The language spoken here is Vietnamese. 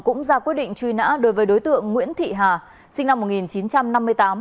cũng ra quyết định truy nã đối với đối tượng nguyễn thị hà sinh năm một nghìn chín trăm năm mươi tám